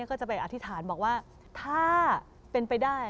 ก็จะไปอธิษฐานบอกว่าถ้าเป็นไปได้